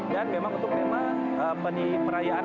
dan memang untuk tema peni perayaan